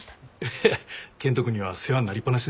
健人君には世話になりっぱなしです。